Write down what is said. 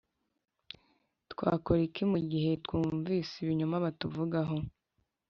Twakora iki mu gihe twumvise ibinyoma batuvugaho